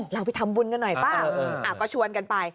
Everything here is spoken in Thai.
เราไปทำบุญกันหน่อยป่ะก็ชวนกันไป